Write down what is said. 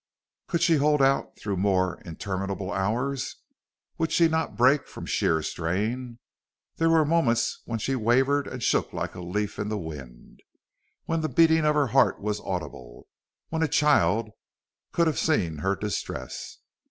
Could she hold out through more interminable hours? Would she not break from sheer strain? There were moments when she wavered and shook like a leaf in the wind, when the beating of her heart was audible, when a child could have seen her distress.